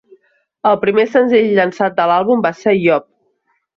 El primer senzill llançat de l'àlbum va ser "Yob".